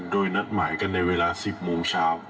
โดยนัดหมายกันในเวลา๑๐โมงเช้า